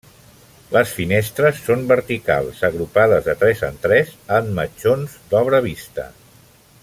Les finestres són verticals, agrupades de tres en tres, amb matxons d'obra vista.